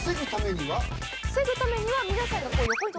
防ぐためには皆さんが。